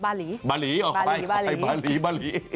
บาลีบาลีบาลีออกไป